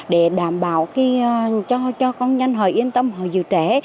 để đảm bảo cho con nhân hồi yên tâm hồi dự trẻ